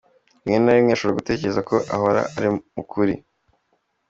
Rimwe na rimwe ashobora gutekereza ko ahora ari mu kuri.